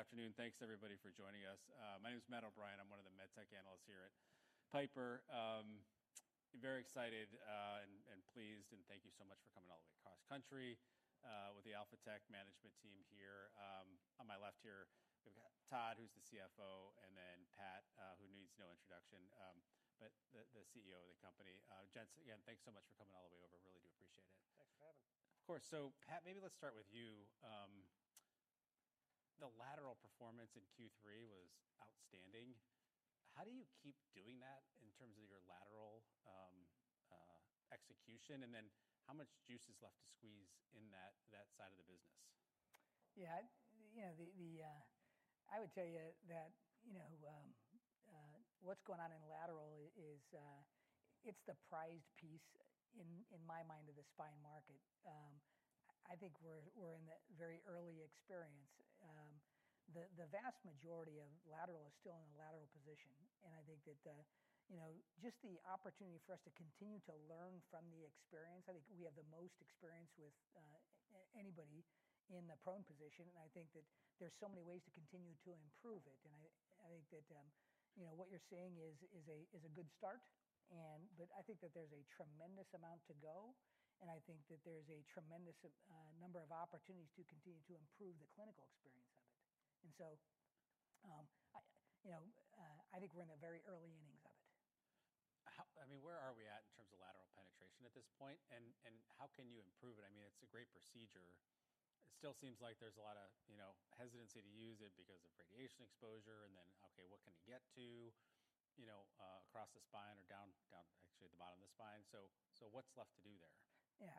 All righty. Good afternoon. Thanks, everybody, for joining us. My name is Matt O'Brien. I'm one of the med tech analysts here at Piper. Very excited and pleased, and thank you so much for coming all the way across country with the Alphatec management team here. On my left here, we've got Todd, who's the CFO, and then Pat, who needs no introduction, but the CEO of the company. Thanks again, thanks so much for coming all the way over. Really do appreciate it. Thanks for having me. Of course. So, Pat, maybe let's start with you. The lateral performance in Q3 was outstanding. How do you keep doing that in terms of your lateral execution? And then how much juice is left to squeeze in that side of the business? Yeah. You know, I would tell you that what's going on in lateral is it's the prized piece, in my mind, of the spine market. I think we're in the very early experience. The vast majority of lateral is still in a lateral position. And I think that just the opportunity for us to continue to learn from the experience, I think we have the most experience with anybody in the prone position. And I think that there's so many ways to continue to improve it. And I think that what you're seeing is a good start. But I think that there's a tremendous amount to go. And I think that there's a tremendous number of opportunities to continue to improve the clinical experience of it. And so I think we're in the very early innings of it. I mean, where are we at in terms of lateral penetration at this point? And how can you improve it? I mean, it's a great procedure. It still seems like there's a lot of hesitancy to use it because of radiation exposure. And then, okay, what can it get to across the spine or down, actually, at the bottom of the spine? So what's left to do there? Yeah.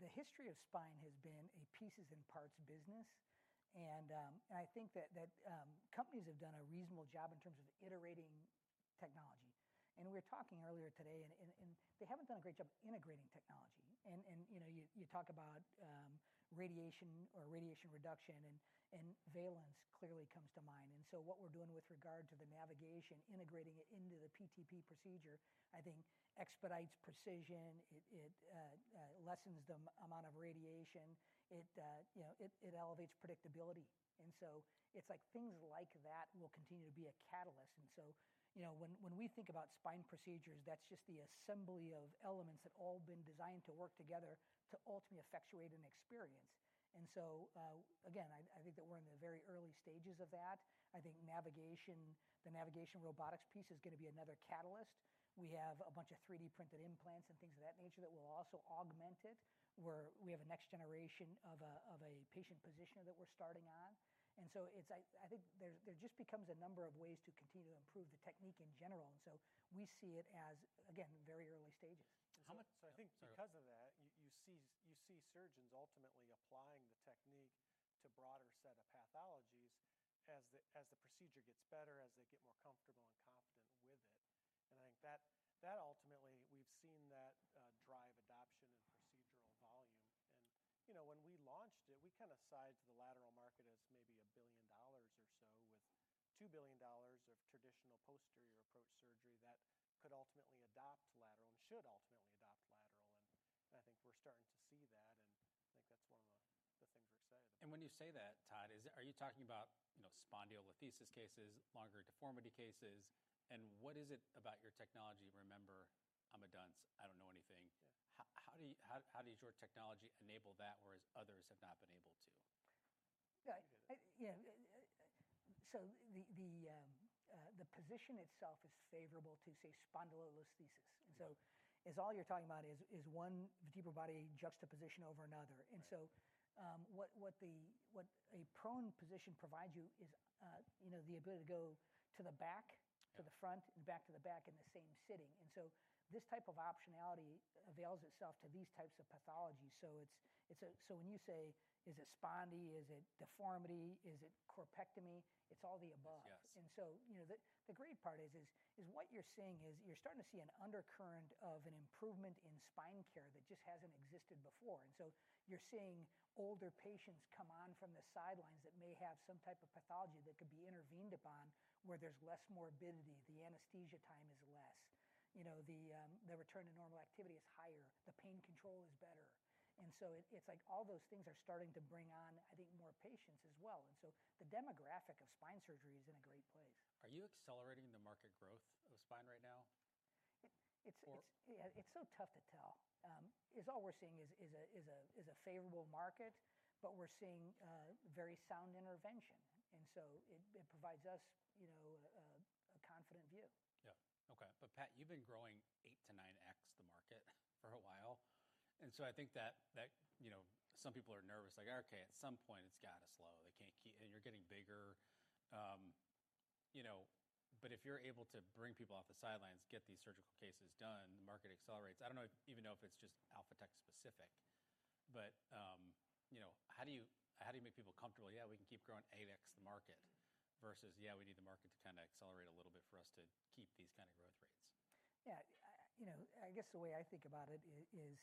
The history of spine has been a pieces and parts business, and I think that companies have done a reasonable job in terms of iterating technology. We were talking earlier today, and they haven't done a great job integrating technology. You talk about radiation or radiation reduction, and Valence clearly comes to mind. What we're doing with regard to the navigation, integrating it into the PTP procedure, I think expedites precision. It lessens the amount of radiation. It elevates predictability. It's like things like that will continue to be a catalyst. When we think about spine procedures, that's just the assembly of elements that have all been designed to work together to ultimately effectuate an experience. Again, I think that we're in the very early stages of that. I think the navigation robotics piece is going to be another catalyst. We have a bunch of 3D-printed implants and things of that nature that will also augment it, where we have a next generation of a patient position that we're starting on. And so I think there just becomes a number of ways to continue to improve the technique in general. And so we see it as, again, very early stages. So I think because of that, you see surgeons ultimately applying the technique to a broader set of pathologies as the procedure gets better, as they get more comfortable and confident with it. And I think that ultimately we've seen that drive adoption and procedural volume. And when we launched it, we kind of sized the lateral market as maybe $1 billion or so with $2 billion of traditional posterior approach surgery that could ultimately adopt lateral and should ultimately adopt lateral. And I think we're starting to see that. And I think that's one of the things we're excited about. And when you say that, Todd, are you talking about spondylolisthesis cases, longer deformity cases? And what is it about your technology? Remember, I'm a dunce. I don't know anything. How does your technology enable that whereas others have not been able to? Yeah. So the position itself is favorable to, say, spondylolisthesis. And so all you're talking about is one vertebral body juxtaposition over another. And so what a prone position provides you is the ability to go to the back, to the front, and back to the back in the same sitting. And so this type of optionality avails itself to these types of pathologies. So when you say, is it spondy? Is it deformity? Is it corpectomy? It's all the above. And so the great part is what you're seeing is you're starting to see an undercurrent of an improvement in spine care that just hasn't existed before. And so you're seeing older patients come on from the sidelines that may have some type of pathology that could be intervened upon where there's less morbidity. The anesthesia time is less. The return to normal activity is higher. The pain control is better. And so it's like all those things are starting to bring on, I think, more patients as well. And so the demographic of spine surgery is in a great place. Are you accelerating the market growth of spine right now? It's so tough to tell. All we're seeing is a favorable market, but we're seeing very sound intervention, and so it provides us a confident view. Yeah. Okay. But Pat, you've been growing 8-9x the market for a while. And so I think that some people are nervous, like, okay, at some point, it's got to slow. And you're getting bigger. But if you're able to bring people off the sidelines, get these surgical cases done, the market accelerates. I don't even know if it's just Alphatec specific. But how do you make people comfortable, yeah, we can keep growing 8x the market versus, yeah, we need the market to kind of accelerate a little bit for us to keep these kind of growth rates? Yeah. I guess the way I think about it is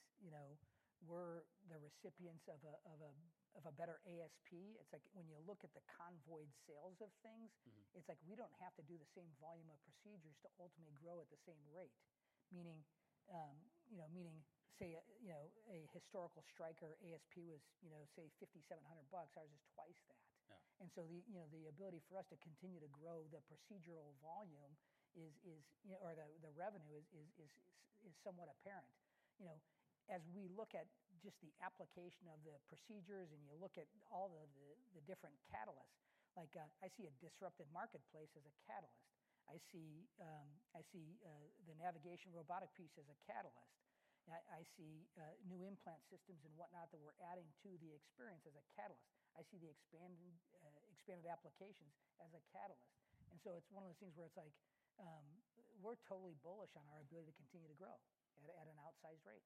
we're the recipients of a better ASP. It's like when you look at the company's sales of things. It's like we don't have to do the same volume of procedures to ultimately grow at the same rate. Meaning, say, a historical Stryker ASP was, say, $5,700. Ours is twice that. And so the ability for us to continue to grow the procedural volume or the revenue is somewhat apparent. As we look at just the application of the procedures and you look at all of the different catalysts, I see a disrupted marketplace as a catalyst. I see the navigation robotic piece as a catalyst. I see new implant systems and whatnot that we're adding to the experience as a catalyst. I see the expanded applications as a catalyst. And so it's one of those things where it's like we're totally bullish on our ability to continue to grow at an outsized rate.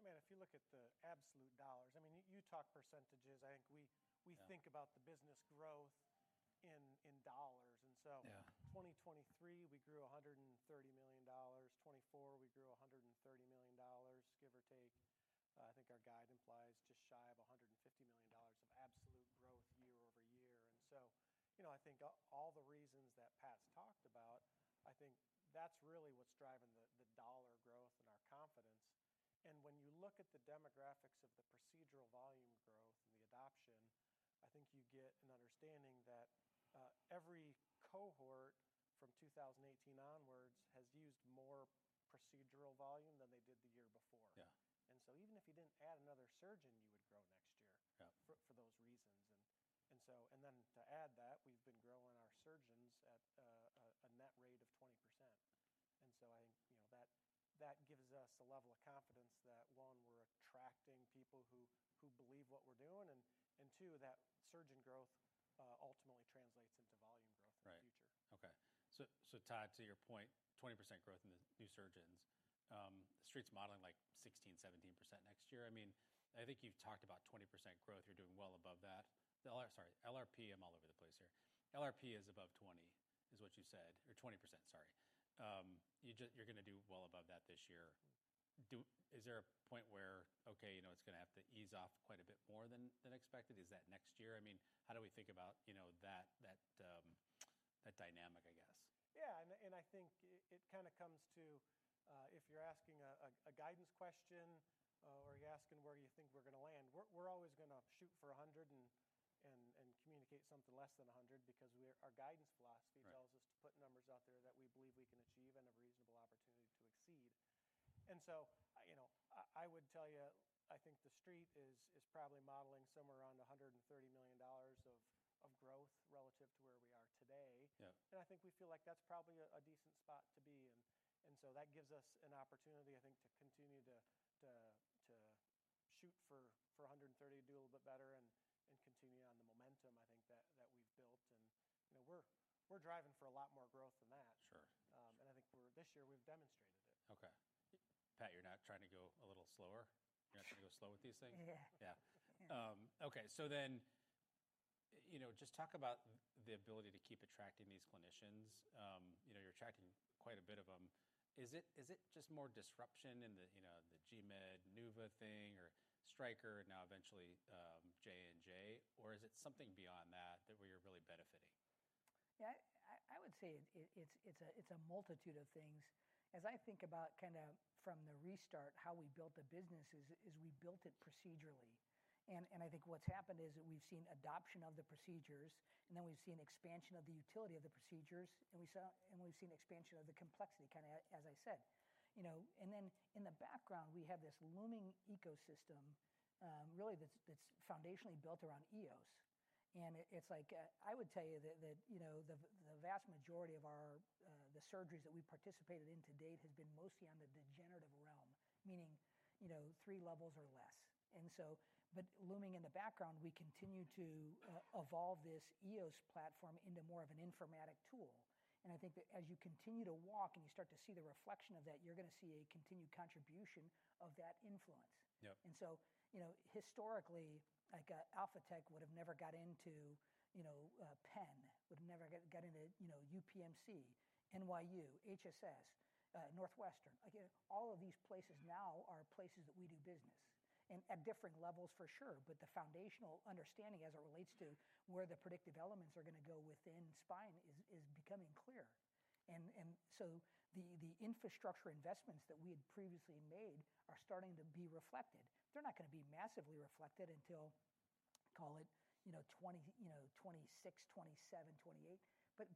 I mean, if you look at the absolute dollars, I mean, you talk percentages. I think we think about the business growth in dollars. And so 2023, we grew $130 million. 2024, we grew $130 million, give or take. I think our guide implies just shy of $150 million of absolute growth year-over-year. And so I think all the reasons that Pat's talked about, I think that's really what's driving the dollar growth and our confidence. And when you look at the demographics of the procedural volume growth and the adoption, I think you get an understanding that every cohort from 2018 onwards has used more procedural volume than they did the year before. And so even if you didn't add another surgeon, you would grow next year for those reasons. And then to add that, we've been growing our surgeons at a net rate of 20%. And so I think that gives us a level of confidence that, one, we're attracting people who believe what we're doing, and two, that surge in growth ultimately translates into volume growth in the future. Right. Okay. So Todd, to your point, 20% growth in the new surgeons, the Street's modeling like 16%, 17% next year. I mean, I think you've talked about 20% growth. You're doing well above that. Sorry, LRP, I'm all over the place here. LRP is above 20%, is what you said, or 20%, sorry. You're going to do well above that this year. Is there a point where, okay, it's going to have to ease off quite a bit more than expected? Is that next year? I mean, how do we think about that dynamic, I guess? Yeah. And I think it kind of comes to if you're asking a guidance question or you're asking where you think we're going to land. We're always going to shoot for 100 and communicate something less than 100 because our guidance philosophy tells us to put numbers out there that we believe we can achieve and a reasonable opportunity to exceed. And so I would tell you, I think the street is probably modeling somewhere around $130 million of growth relative to where we are today. And I think we feel like that's probably a decent spot to be. And so that gives us an opportunity, I think, to continue to shoot for 130, do a little bit better, and continue on the momentum, I think, that we've built. And we're driving for a lot more growth than that. And I think this year we've demonstrated it. Okay. Pat, you're not trying to go a little slower? You're not trying to go slow with these things? Yeah. Yeah. Okay. So then just talk about the ability to keep attracting these clinicians. You're attracting quite a bit of them. Is it just more disruption in the GMED, NuVasive thing, or Stryker, now eventually J&J? Or is it something beyond that where you're really benefiting? Yeah. I would say it's a multitude of things. As I think about kind of from the restart, how we built the business is we built it procedurally. And I think what's happened is we've seen adoption of the procedures. And then we've seen expansion of the utility of the procedures. And we've seen expansion of the complexity, kind of as I said. And then in the background, we have this looming ecosystem, really, that's foundationally built around EOS. And I would tell you that the vast majority of the surgeries that we've participated in to date has been mostly on the degenerative realm, meaning three levels or less. But looming in the background, we continue to evolve this EOS platform into more of an informatics tool. I think as you continue to walk and you start to see the reflection of that, you're going to see a continued contribution of that influence. So historically, Alphatec would have never got into Penn, would have never got into UPMC, NYU, HSS, Northwestern. All of these places now are places that we do business at different levels, for sure. But the foundational understanding as it relates to where the predictive elements are going to go within spine is becoming clear. So the infrastructure investments that we had previously made are starting to be reflected. They're not going to be massively reflected until, call it, 2026, 2027, 2028.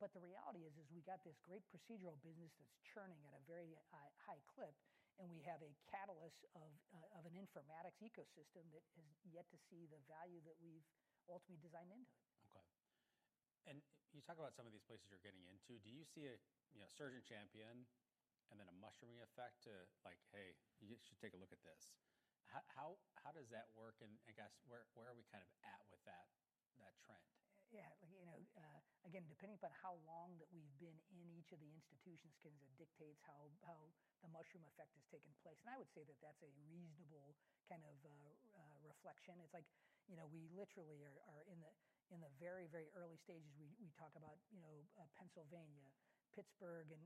But the reality is we got this great procedural business that's churning at a very high clip. And we have a catalyst of an informatics ecosystem that has yet to see the value that we've ultimately designed into it. Okay and you talk about some of these places you're getting into. Do you see a surgeon champion and then a mushrooming effect to like, hey, you should take a look at this? How does that work? And I guess where are we kind of at with that trend? Yeah. Again, depending upon how long that we've been in each of the institutions, kind of dictates how the mushroom effect has taken place. And I would say that that's a reasonable kind of reflection. It's like we literally are in the very, very early stages. We talk about Pennsylvania. Pittsburgh and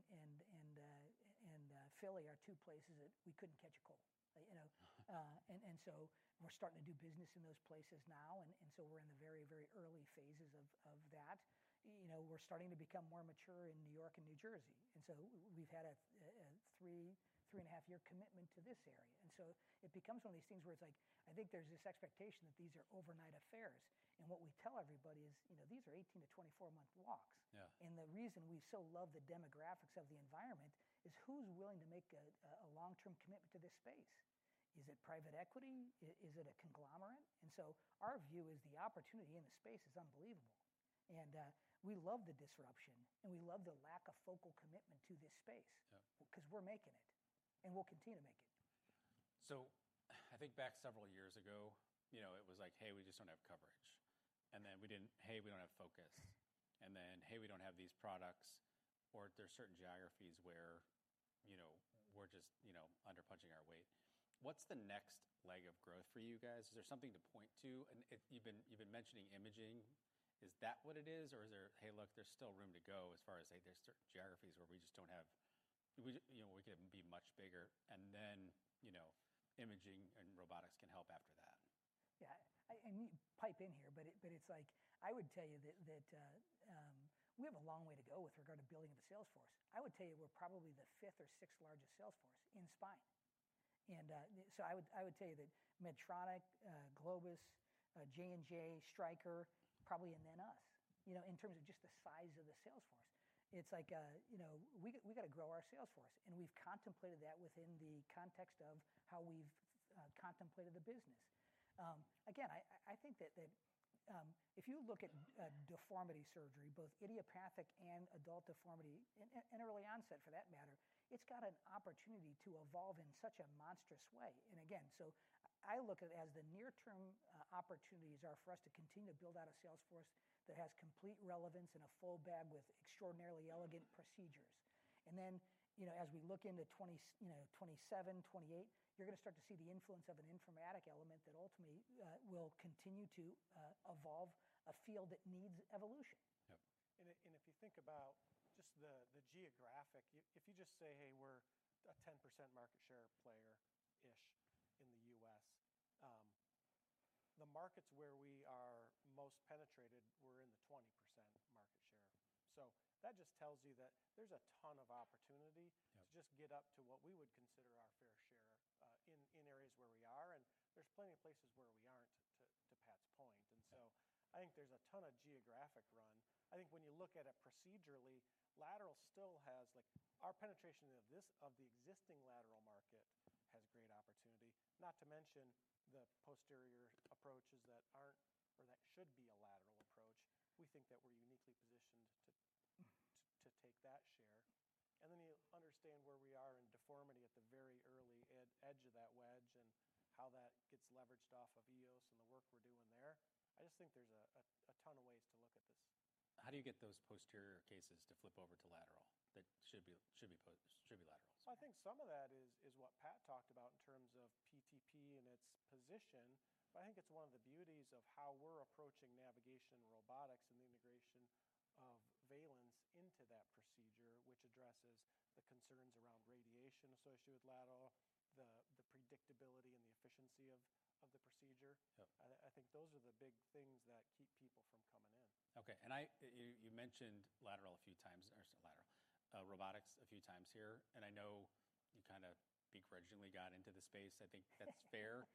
Philly are two places that we couldn't catch a cold. And so we're starting to do business in those places now. And so we're in the very, very early phases of that. We're starting to become more mature in New York and New Jersey. And so we've had a three-and-a-half-year commitment to this area. And so it becomes one of these things where it's like I think there's this expectation that these are overnight affairs. And what we tell everybody is these are 18-24 month walks. And the reason we so love the demographics of the environment is who's willing to make a long-term commitment to this space? Is it private equity? Is it a conglomerate? And so our view is the opportunity in the space is unbelievable. And we love the disruption. And we love the lack of focal commitment to this space because we're making it. And we'll continue to make it. So, I think back several years ago, it was like, hey, we just don't have coverage. And then we didn't, hey, we don't have focus. And then, hey, we don't have these products. Or there are certain geographies where we're just underpunching our weight. What's the next leg of growth for you guys? Is there something to point to? And you've been mentioning imaging. Is that what it is? Or is there, hey, look, there's still room to go as far as, hey, there's certain geographies where we just don't have we can be much bigger. And then imaging and robotics can help after that. Yeah. I mean, pipe in here. But it's like I would tell you that we have a long way to go with regard to building the sales force. I would tell you we're probably the fifth or sixth largest sales force in spine. And so I would tell you that Medtronic, Globus, J&J, Stryker, probably and then us in terms of just the size of the sales force. It's like we've got to grow our sales force. And we've contemplated that within the context of how we've contemplated the business. Again, I think that if you look at deformity surgery, both idiopathic and adult deformity and early onset for that matter, it's got an opportunity to evolve in such a monstrous way. Again, so I look at it as the near-term opportunities are for us to continue to build out a sales force that has complete relevance and a full bag with extraordinarily elegant procedures. And then as we look into 2027, 2028, you are going to start to see the influence of an informatic element that ultimately will continue to evolve a field that needs evolution. Yeah. And if you think about just the geographic, if you just say, hey, we're a 10% market share player-ish in the U.S., the markets where we are most penetrated, we're in the 20% market share. So that just tells you that there's a ton of opportunity to just get up to what we would consider our fair share in areas where we are. And there's plenty of places where we aren't, to Pat's point. And so I think there's a ton of geographic run. I think when you look at it procedurally, lateral still has our penetration of the existing lateral market has great opportunity, not to mention the posterior approaches that aren't or that should be a lateral approach. We think that we're uniquely positioned to take that share. And then you understand where we are in deformity at the very early edge of that wedge and how that gets leveraged off of EOS and the work we're doing there. I just think there's a ton of ways to look at this. How do you get those posterior cases to flip over to lateral that should be lateral? So I think some of that is what Pat talked about in terms of PTP and its position. But I think it's one of the beauties of how we're approaching navigation robotics and the integration of Valence into that procedure, which addresses the concerns around radiation associated with lateral, the predictability and the efficiency of the procedure. I think those are the big things that keep people from coming in. Okay and you mentioned lateral a few times or lateral robotics a few times here. And I know you kind of begrudgingly got into the space. I think that's fair.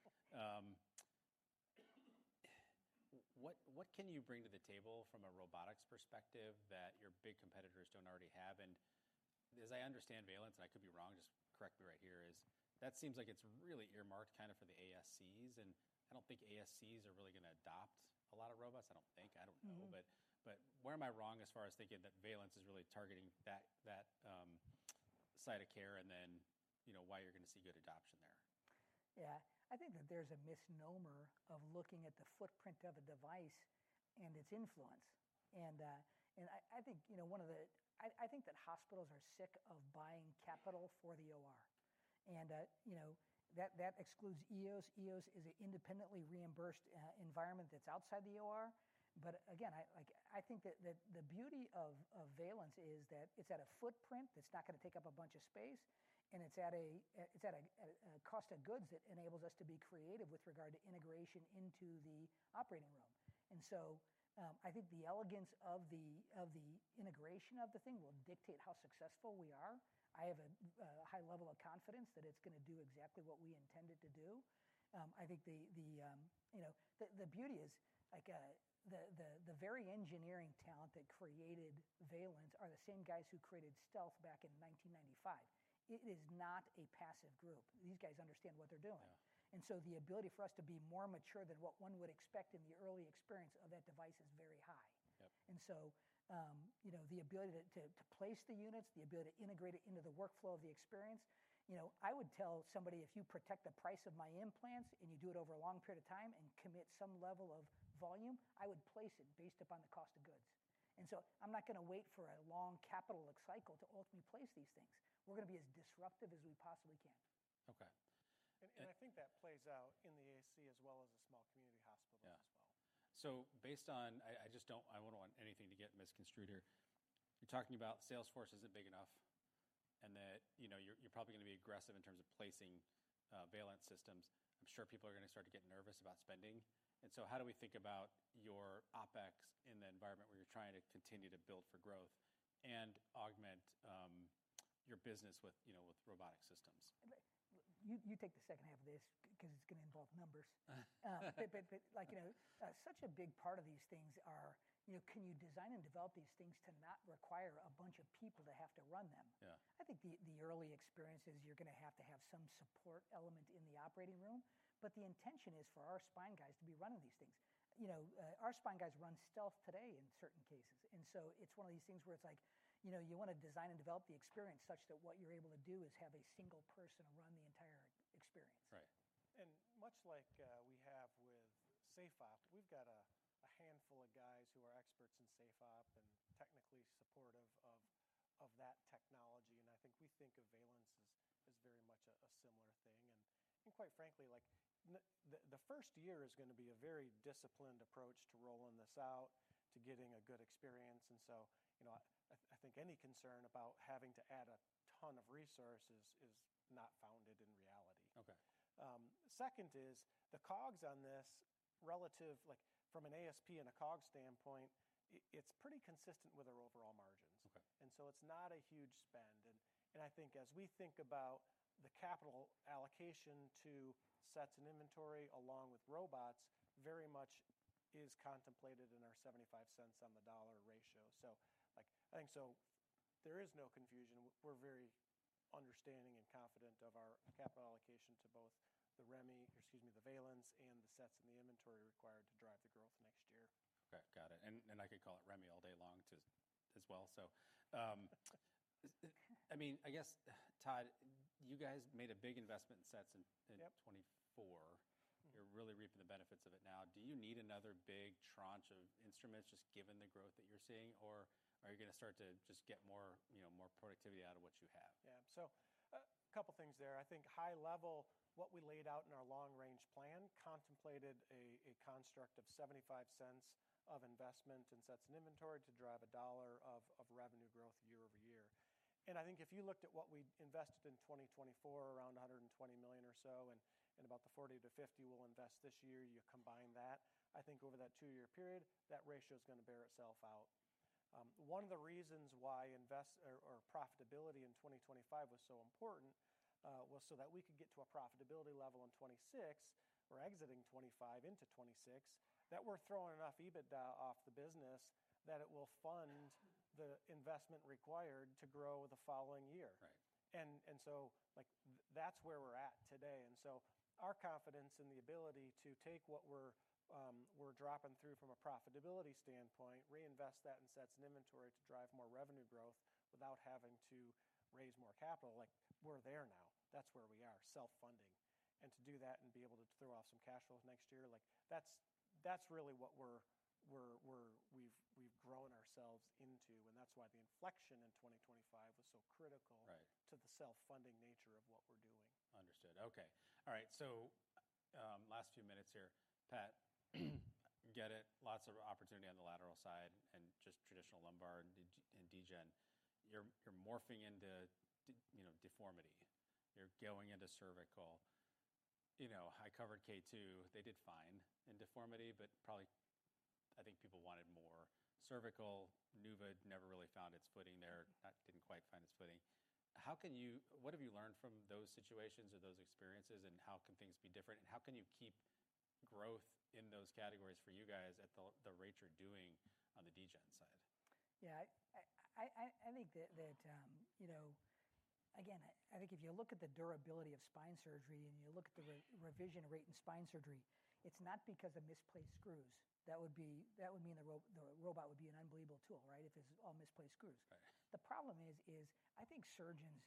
What can you bring to the table from a robotics perspective that your big competitors don't already have? And as I understand Valence, and I could be wrong, just correct me right here, is that seems like it's really earmarked kind of for the ASCs. And I don't think ASCs are really going to adopt a lot of robots. I don't think. I don't know. But where am I wrong as far as thinking that Valence is really targeting that side of care? And then why are you going to see good adoption there? Yeah. I think that there's a misnomer of looking at the footprint of a device and its influence. And I think that hospitals are sick of buying capital for the OR. And that excludes EOS. EOS is an independently reimbursed environment that's outside the OR. But again, I think that the beauty of Valence is that it's at a footprint that's not going to take up a bunch of space. And it's at a cost of goods that enables us to be creative with regard to integration into the operating room. And so I think the elegance of the integration of the thing will dictate how successful we are. I have a high level of confidence that it's going to do exactly what we intended to do. I think the beauty is the very engineering talent that created Valence are the same guys who created Stealth back in 1995. It is not a passive group. These guys understand what they're doing. And so the ability for us to be more mature than what one would expect in the early experience of that device is very high. And so the ability to place the units, the ability to integrate it into the workflow of the experience, I would tell somebody, if you protect the price of my implants and you do it over a long period of time and commit some level of volume, I would place it based upon the cost of goods. And so I'm not going to wait for a long capital cycle to ultimately place these things. We're going to be as disruptive as we possibly can. Okay. And I think that plays out in the ASC as well as a small community hospital as well. Yeah. So based on, I wouldn't want anything to get misconstrued. You're talking about sales force isn't big enough and that you're probably going to be aggressive in terms of placing Valence systems. I'm sure people are going to start to get nervous about spending. And so how do we think about your OpEx in the environment where you're trying to continue to build for growth and augment your business with robotic systems? You take the second half of this because it's going to involve numbers. But such a big part of these things are can you design and develop these things to not require a bunch of people to have to run them? I think the early experience is you're going to have to have some support element in the operating room. But the intention is for our spine guys to be running these things. Our spine guys run Stealth today in certain cases. And so it's one of these things where it's like you want to design and develop the experience such that what you're able to do is have a single person run the entire experience. Right. And much like we have with SafeOp, we've got a handful of guys who are experts in SafeOp and technically supportive of that technology. And I think we think of Valence as very much a similar thing. And quite frankly, the first year is going to be a very disciplined approach to rolling this out, to getting a good experience. And so I think any concern about having to add a ton of resources is not founded in reality. Second is the COGS on this relative from an ASP and a COGS standpoint. It's pretty consistent with our overall margins. And so it's not a huge spend. And I think as we think about the capital allocation to sets and inventory along with robots, very much is contemplated in our $0.75 on the dollar ratio. So I think there is no confusion. We're very understanding and confident of our capital allocation to both the REMI, excuse me, the Valence, and the sets and the inventory required to drive the growth next year. Okay. Got it. And I could call it REMI all day long as well. So I mean, I guess, Todd, you guys made a big investment in sets in 2024. You're really reaping the benefits of it now. Do you need another big tranche of instruments just given the growth that you're seeing? Or are you going to start to just get more productivity out of what you have? Yeah. So a couple of things there. I think high level, what we laid out in our long-range plan contemplated a construct of $0.75 of investment in sets and inventory to drive a dollar of revenue growth year-over-year. And I think if you looked at what we invested in 2024, around $120 million or so, and about the $40-$50 we'll invest this year, you combine that, I think over that two-year period, that ratio is going to bear itself out. One of the reasons why profitability in 2025 was so important was so that we could get to a profitability level in 2026. We're exiting 2025 into 2026 that we're throwing enough EBITDA off the business that it will fund the investment required to grow the following year. And so that's where we're at today. And so our confidence in the ability to take what we're dropping through from a profitability standpoint, reinvest that in sets and inventory to drive more revenue growth without having to raise more capital. We're there now. That's where we are, self-funding. And to do that and be able to throw off some cash flow next year, that's really what we've grown ourselves into. And that's why the inflection in 2025 was so critical to the self-funding nature of what we're doing. Understood. Okay. All right. So last few minutes here. Pat, get it. Lots of opportunity on the lateral side and just traditional lumbar and DeGen. You're morphing into deformity. You're going into cervical. I covered K2M. They did fine in deformity. But probably I think people wanted more cervical. NuVasive never really found its footing there. That didn't quite find its footing. How can you, what have you learned from those situations or those experiences? And how can things be different? And how can you keep growth in those categories for you guys at the rate you're doing on the DeGen side? Yeah. I think that again, I think if you look at the durability of spine surgery and you look at the revision rate in spine surgery, it's not because of misplaced screws. That would mean the robot would be an unbelievable tool, right, if it's all misplaced screws. The problem is I think surgeons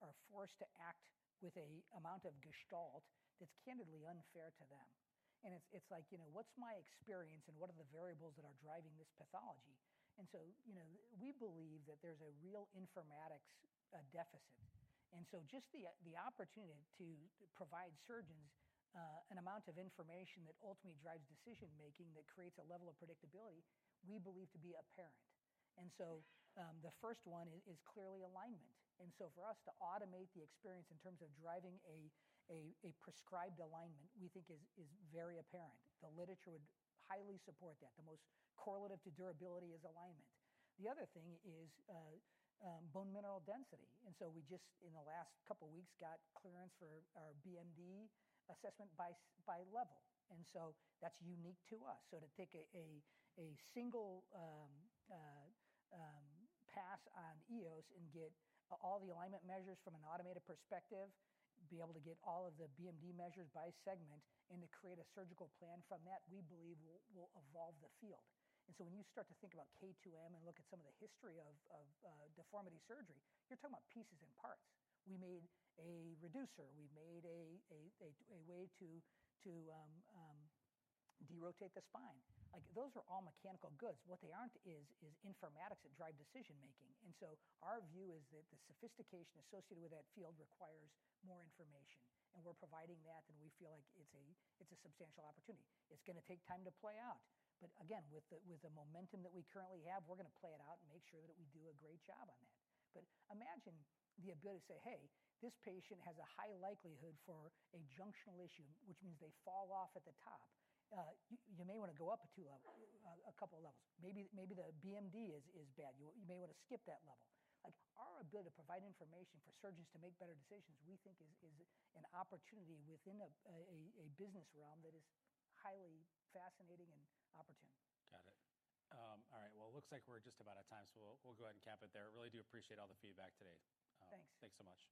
are forced to act with an amount of gestalt that's candidly unfair to them. And it's like, what's my experience? And what are the variables that are driving this pathology? And so we believe that there's a real informatics deficit. And so just the opportunity to provide surgeons an amount of information that ultimately drives decision-making that creates a level of predictability we believe to be apparent. And so the first one is clearly alignment. And so for us to automate the experience in terms of driving a prescribed alignment, we think is very apparent. The literature would highly support that. The most correlative to durability is alignment. The other thing is bone mineral density, and so we just in the last couple of weeks got clearance for our BMD assessment by level. And so that's unique to us. So to take a single pass on EOS and get all the alignment measures from an automated perspective, be able to get all of the BMD measures by segment, and to create a surgical plan from that, we believe will evolve the field. And so when you start to think about K2M and look at some of the history of deformity surgery, you're talking about pieces and parts. We made a reducer. We made a way to derotate the spine. Those are all mechanical goods. What they aren't is informatics that drive decision-making. And so our view is that the sophistication associated with that field requires more information. And we're providing that. And we feel like it's a substantial opportunity. It's going to take time to play out. But again, with the momentum that we currently have, we're going to play it out and make sure that we do a great job on that. But imagine the ability to say, hey, this patient has a high likelihood for a junctional issue, which means they fall off at the top. You may want to go up a couple of levels. Maybe the BMD is bad. You may want to skip that level. Our ability to provide information for surgeons to make better decisions, we think is an opportunity within a business realm that is highly fascinating and opportune. Got it. All right. Well, it looks like we're just about out of time. So we'll go ahead and cap it there. Really do appreciate all the feedback today. Thanks. Thanks so much.